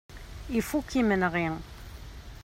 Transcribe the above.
Ifuk yimenɣi.